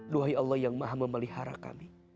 duhai allah yang maha memelihara kami